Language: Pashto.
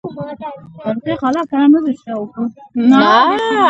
مړه ته د شپه نیمایي دعا کوو